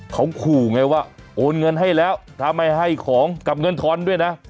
เขาขู่ไงว่าโอนเงินให้แล้วถ้าไม่ให้ของกับเงินทอนด้วยนะ